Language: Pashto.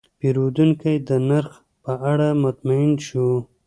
پیرودونکی د نرخ په اړه مطمین شو.